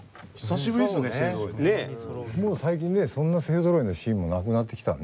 もう最近ねそんな勢ぞろいのシーンもなくなってきたね。